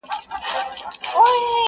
چي زه وگورمه مورته او دا ماته.!